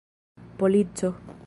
polico